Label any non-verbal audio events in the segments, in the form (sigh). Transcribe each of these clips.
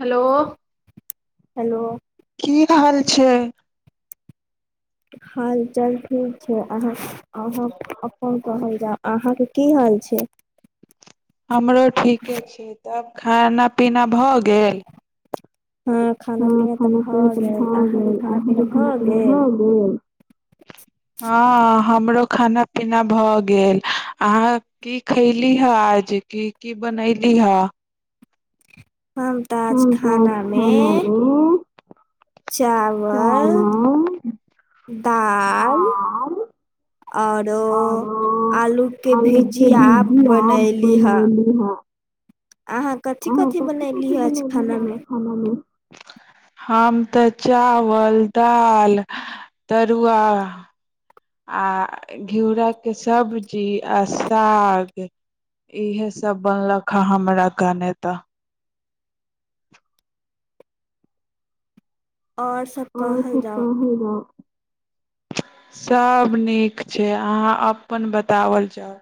hello hello की हाल छै हाल चाल ठीक छै अहाँ अहाँ अपन अपन कह जा अहाँके की हाल छै हमरो ठीके छै तब खाना पीना भऽ गेल हँ ह खाना पीना तऽ ख भऽ गेल पीना अहाँके गेल खाना ख पीना भऽ पी गेल गेल खाना पीना भऽ गेल अहाँ की खयली हे आज की की बनयली हे हम तऽ हँ आज बात खाना मे ान रे चावल हँ दाल औरो आ आओरो आलू के आलुके भुजिया बीजी आ बनैली ह बनली है अहाँ कथि आ कथि त की की बनैली ह ब आज एकद खाना आज मे खान नहि हम तऽ चावल दालि तरुआ आ घिउराक के सब्जी आ साग इहेसभ बनलक हे हमरा कानता और सब आओर कहल ठीक जाउ ह सभ नीक छै अहाँ अपन बताओल जाउ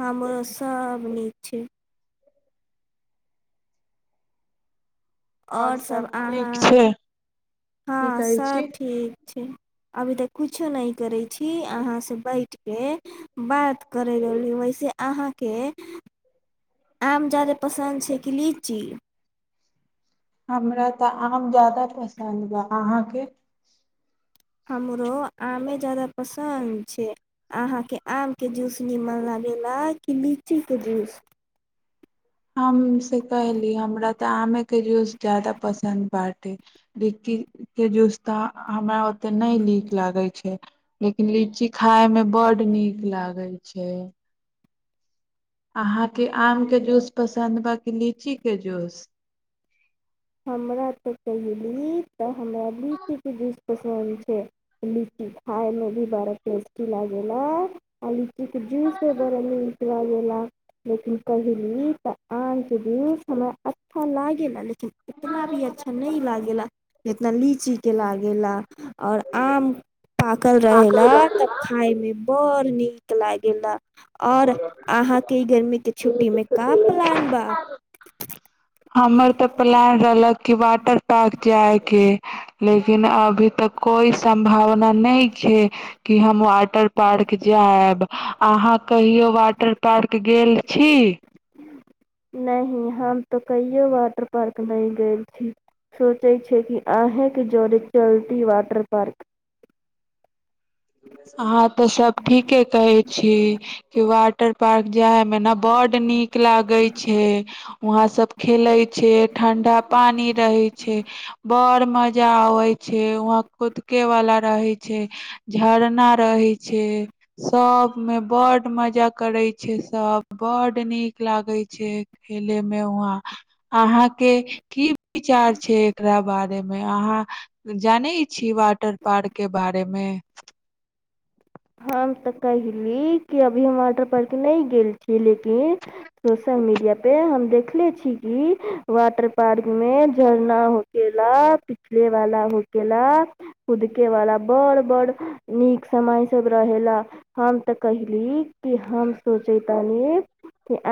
हमरो सभ नीक छै आओर सभ सब ठीक अहाँ छै की हँ कहै छी सभ ठीक छै अभी तऽ किछो नहि करै छी अहाँसँ बैठि कऽ बात करय रहली वैसे अहाँके आम जारे पसन्द छै कीची हमरा तऽ आम जादा पसन्द बा अहाँके हमरो आमे जादा पसन्द छै अहाँके आमके जूस नीमन लागैए कि लीचीके जूस आ मी से कहली हमरा तऽ आमेके जूस जादा पसन्द बाटे लीचीके जूस तऽ हमरा ओतेक नहि नीक लागै छै लेकिन लीची खाायमे बड्ड नीक लागै छै अहाँके आमके जूस पसन्द बाकी लीचीके जूस हमरा तऽ कहियो ली तऽ हमरा लीची के जूस पसन्द छै लीची खाइमे भी बड़ा टेस्टी लागा आ लीचीके जूसो बड़ा नीक लगेला लेकिन कहली तऽ आमके जूस हमरा अच्छा लागा लेकिन इतना भी अच्छा न लागेेला जेतना लीची के लागेला और आम पाकल रहे ला तब खाय मे बड़ नीक लाग गेला और अहाँके ई गर्मी के छुट्टी में कप पलान बा हमर तऽ पलान रहलक क वाटर पार्क जायके लेकिन अभी तक कोई संभावना नहि छै कि हम वाट टर पार्क जाएब अहाँ कहियो वाटर पार्क गेल छी नहि हम तऽ कहिो वाटर पार्क नहि गेल छी सोचैत छीिय कि अहँके जड़े चलती वाटर पार्क अहं तऽ सब ठीके कहै छी कि वा वटर पार्क ज है मे न बड नीक लागे छै वहां सब खेले छै ठंडा पानी रहै छै बड़ मजा आवै छै वहा कुदके वाला रहै छै झरना रहे छै सब में बड मजा करे छै सब बड नीक लागे छै खेले में वहां अहाँ के की विचार छै एकरा बारे मे अहां जाने छी वाटर पार्क के बारे मे हम तऽ कहिली क अभी हम वाटर पार्क नहि गेल छी लेकिन सोशल मीडिया पे हम देखले छी की वाटर पार्क में झरना हो केेला पिछले वाला हो केेला कुदके वाला बड़ बड़ नीक समय रहे ला हम तऽ कहली कि हम सोचतानि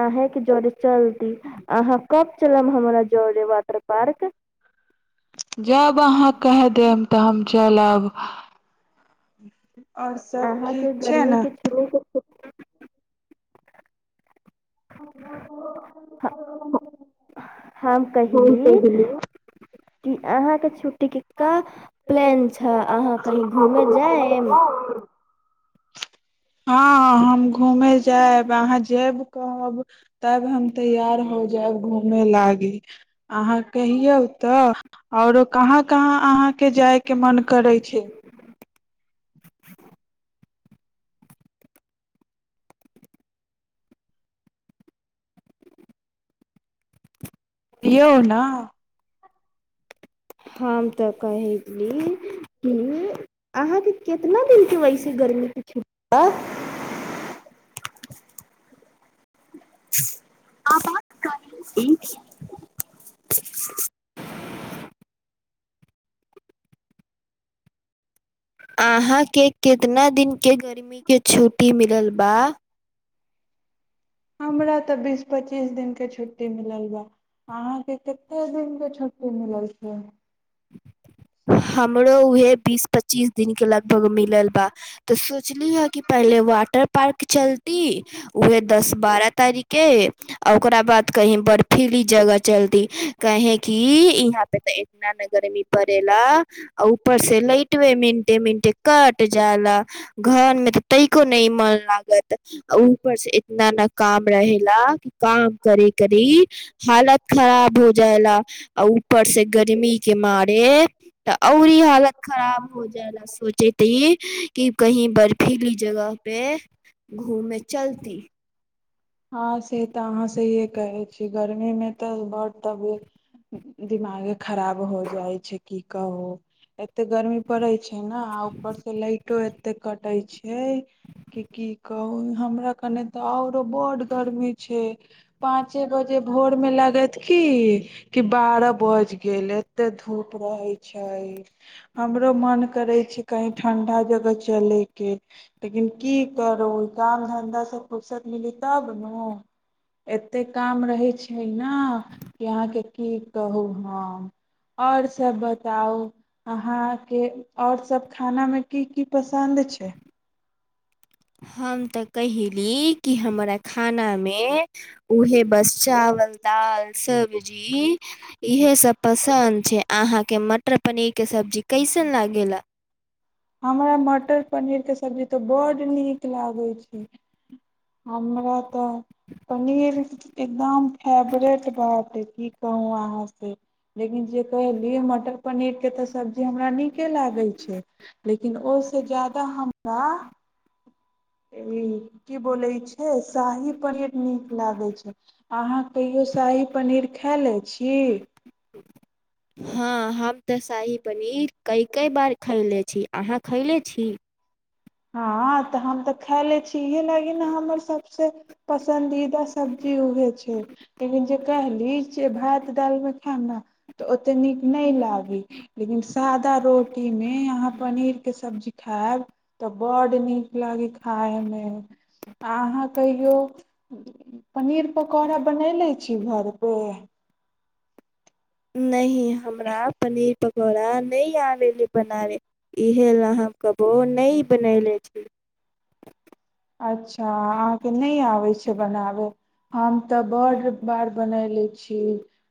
अहिंके जरे चल अहाँ कब चलब हम जरे वाटर पार्क जब अहाँ कहि देब तऽ हम चलब (unintelligible) आओर सब अहाँ ठीक के छै गर्मी ने के छु हम को त गेल की अहाँके छुट्टी टिकटके प्लैन छै अहाँ कहीं घुमै जाएब हँ हम घूमे जायब अहाँ जेब कहब तब हम तैयार हो जायब घुमे लागी अहाँ कहियौ तऽ आओरो कहाँ कहाँ अहाँके जायके मन करै छै यौ न हम तऽ कही ली की अहाँके कितना दिनके वैसे गर्मीके छुट्टी ये आबाद कालीन अहाँके कितना दिनके गर्मीके छुट्टी मिलल बा हमरा तऽ बीस पच्चीस दिनके छुट्टी मिलल बा अहाँके कतेक दिनके छुट्टी मिलल छै (unintelligible) हमरो उहे बीस पच्चीस दिनक के लगभग मिलल बा तऽ सोचली ह कि पहिले वाटर पार्क चलती उहे दस बारह तारिख के आ ओकरा बाद कहीं बर्फीली जगह चलती काहें की यहाँ पे ते इतना ने गर्मी पड़ ऊपर से लैट वे मिंटे मिंटे कट जाय ला घर में ते तैको न मन लागत ऊपर से इतना ने काम रहेेला कि काम करे करी हालत खराब हो जाय ला आ ऊपर से गर्मी के मार तऽ औ ई हालत खराब हो जाय ला सोचे त ई क कही बर्फीली जगह पे घूमे चलती हँ से तऽ अहाँ सहिए कहै छी गर्मीमे तऽ बड़ तब दिमाग खराब हो जाइ छै की कहू एते गर्मी पड़ैत छै ने र से लाइटो एते कटे छै क की कहू हमरा कने तऽ अओरो बड गर्मी छै पाँचे बजे भोर मे लागत की कि बारह बज गेलै एते धूप रहै छै हमरो मन करै छै कही ठण्डा जगह चलैके लेकिन की करू काम धन्धास से फुर्सत मिली तब नु एते काम रहै छै ने कि अहाँके की कहू हम आओर सब बताउ अहाँके आओर सब खानामे की की पसन्द छै हम तऽ कयली कि हमरा खानामे उह बस चावल दाल सब्जी इएहसभ पसन्द छै अहाँके मटर पनीरके सब्जी कैसन लागेा हमरा मटर पनीरके सब्जी तऽ बड्ड नीक लागैत छै हमरा तऽ पनीर एकदम फेवरेट बात हइ क कहू अहाँ से लेकिन जे कहलियै मटर पनीरके तऽ सब्जी हमरा नीक के लागे छै लेकिन ओहि से ज्यादा हमरा ई की बोलै छै शाही पर्यट नीक लागै छै अहाँ कहियो शाही पनीर खा लै छी हँ हम तऽ शाही पनीर ककक बार खयले छी अहाँ खैले छी हँ तऽ हम तऽ खाय ले छी इएह लागी ने हमर सभसँ पसन्दीदा सब्जी उहे छै लेकिन जे कहली छ भात दालि में हब ने तऽ ओतेक नीक नहि लागी लेकिन सादा रोटीमे अहाँ पनीरके सब्जी खायब तऽ बड नीक लाग खाइमे अहाँ कहियौ पनीर पकौड़ा बनेले छै शि भरपे नहि हमरा पनीर पकौड़ा नहि आबै ल बनाबे इह लए हम हम कहबौ नहि बनैले छी अबै छै बनाबै हम तऽ बडड़ बार बनैले छी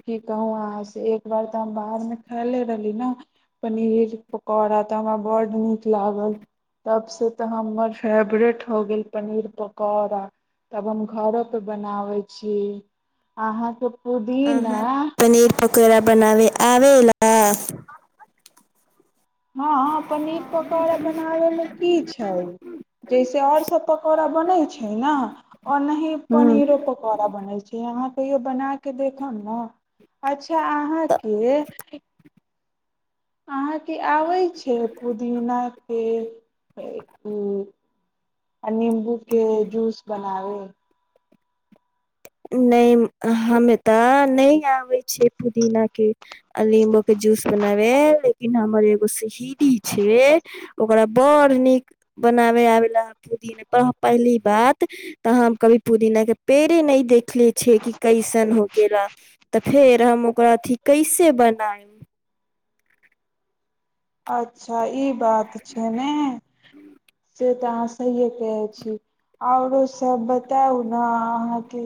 की कहु अहाँ से एक बार तऽ हम बाहरमे खाायले रहली ने पनीर पकौड़ा तऽ हमरा बडड़ड नीक लागल तब से तऽ हमर फेवरेट हो गेल पनीर पकौड़ा तब हम घरो परे बनाबै छी अहाँके पुदीना पकड़ा बनाव आला हँ हँ पनीर पकौड़ा बनाबैमे की छै जैसे आओर सभ पकौड़ा बनैत छै ने ओऔना पनीरो पकौड़ा बन छै यहा तहियो बना के देखब ने अचछा अहाँके आ अथी आबै छै पुदीनाके ओ आ नीमबू के जूस बनाव (inaudible) नहि हमे तऽ न आबे छै पुदीना के आ लीम्बो के जूस बनाबे लेकिन हमर एगो सहडी छै ओकरा बड़ नीक बनाब आला पुदीना पहली बात तऽ कभी पुदीना के पेड़े नहि देख देखले छियै कि कैसन हो गेला तऽ फेर हम ओकरा अथी कैसे बनायब अच्छा ई बात छै ने से तऽ अहाँ स आओरो सब बताउ ने अहाँके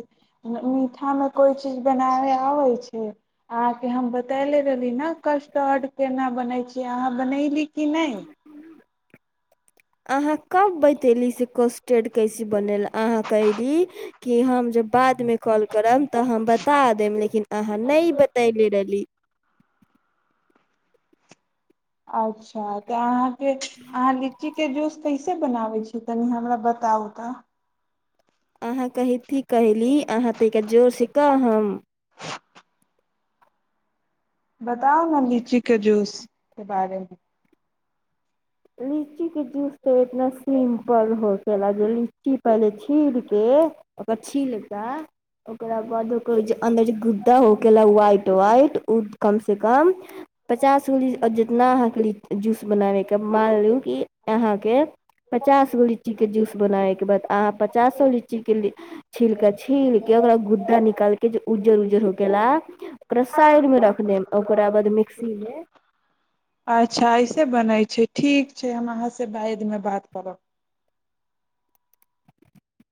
मीठा मे कोइ चीज बनाबे आबै छै अहाँके हम बतले रहली ने कस्टर्ड केना बनै छै जे अहाँ बनयली कि नहि अहाँ कब बतेली से कॉस्टेड कैसे बनल अहाँ कयली कि हम जब बादमे कॉल करब तऽ हम बता देब लेकिन अहाँ नहि बतैले रहली अच्छा अच् तऽ अहाँके अहाँ लीची के जूस कैसे बनाबै छी तनि हमरा बता बता उतऽ अहाँ कहैतथिी कहयली अहाँ ताहिके जोरसँ कह हम बताउ ने लीचीके जूसके बारेमे लीचीके जूस तऽ इतना सिम्पल हो कया जे लीची पहिले छील कऽ ओकररा छील कऽ ओकरा बाद ओकर जे अन्दर जे गुद्दा हो कयेला ह्वाइट व्वाइट ओ कमसँ कम पचास गो ली जितना अहाँके ली जूस बनाए मानि लू कि अहाँके पचास गो लीचीके जूस बनाबयके बाद अहाँ पचासो लीचीके ल छील कऽ छील कऽ ओकरा गुद्दा निकालि कऽ जे उज्जर उज्जर हो क ला ओकरा साइडमे रख देब ओकरा बाद मिक्सीमे अच्छा ऐसे बनै छै ठीक छै हम अहाँसँ बादमे बात करब